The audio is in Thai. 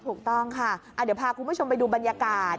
ถูกต้องค่ะเดี๋ยวพาคุณผู้ชมไปดูบรรยากาศ